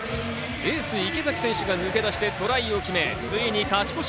エース・池崎選手が抜け出してトライを決め、ついに勝ち越し。